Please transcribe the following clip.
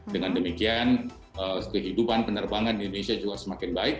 dengan demikian kehidupan penerbangan di indonesia juga semakin baik